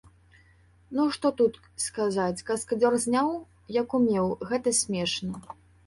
Ну што тут сказаць, каскадзёр зняў, як умеў, гэта смешна.